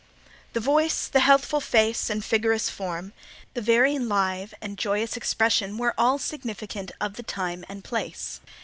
The voice, the healthful face and vigorous form, the very live and joyous expression were all significant of the time and place.